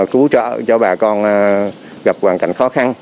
cứu trợ cho bà con gặp cơ hội cho khó khăn